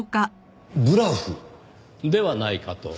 ブラフ？ではないかと。